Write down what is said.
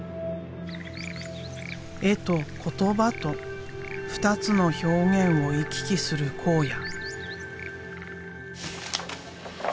絵と言葉と二つの表現を行き来する考哉。